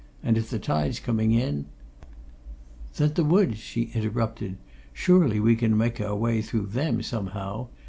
And if the tide's coming in " "Then, the woods," she interrupted. "Surely we can make our way through them, somehow.